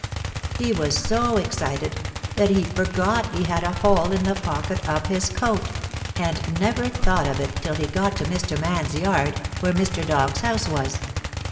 He was so excited that he forgot he had a hole in the pocket of his coat, and never thought of it till he got to Mr. Man's yard, where Mr. Dog's house was.